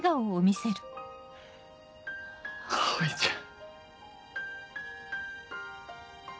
葵ちゃん。